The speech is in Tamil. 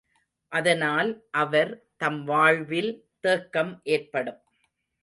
அதனால் அவர் தம் வாழ்வில் தேக்கம் ஏற்படும்.